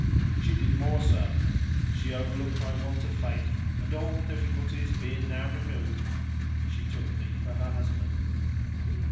She did more, sir; she overlooked my want of faith, and, all difficulties being now removed, she took me for her husband."